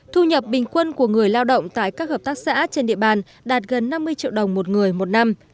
thu nhập bình quân của người lao động tại các hợp tác xã trên địa bàn đạt gần năm mươi triệu đồng một người một năm